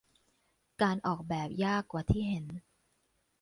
การออกแบบยากกว่าที่เห็น